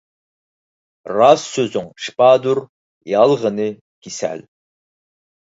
راست سۆزۈڭ شىپادۇر، يالغىنى كېسەل.